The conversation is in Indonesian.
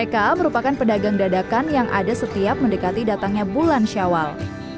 dan menyebabkan pedagang dadakan yang ada setiap mendekati datangnya bulan syawal